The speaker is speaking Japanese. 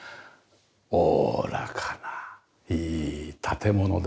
おおらかないい建物ですよね。